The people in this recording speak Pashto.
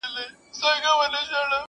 څلور پښې يې نوري پور كړې په ځغستا سوه٫